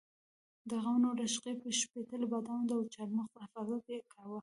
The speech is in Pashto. د غنمو، رشقې، شپتلې، بادامو او چارمغزو حفاظت یې کاوه.